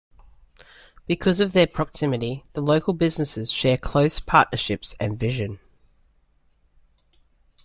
Because of their proximity, the local businesses share close partnerships and vision.